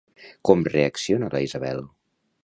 Com reacciona la Isabel?